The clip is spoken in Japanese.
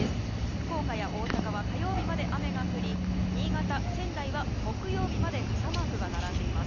福岡や大阪は火曜日まで雨が降り新潟、仙台は木曜日まで傘マークが並んでいます。